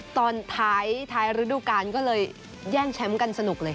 ตอนท้ายฤดูกาลก็เลยแย่งแชมป์กันสนุกเลย